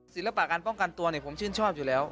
ศิลปะการป้องกันตัวผมชื่นชอบอยู่แล้ว